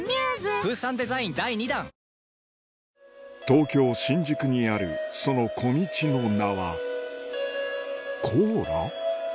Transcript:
東京・新宿にあるその小道の名はコーラ？